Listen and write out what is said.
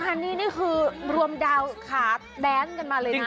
อันนี้นี่คือรวมดาวขาแดนกันมาเลยนะ